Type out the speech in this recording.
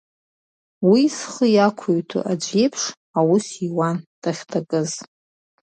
Уи зхы иақәиҭу аӡә иеиԥш, аус иуан дахьҭакыз…